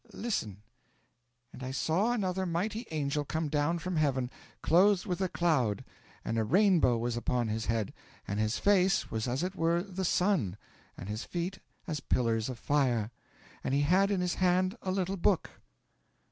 Listen: '"And I saw another mighty angel come down from heaven, clothed with a cloud; and a rainbow was upon his head, and his face was as it were the sun, and his feet as pillars of fire. And he had in his hand a little book."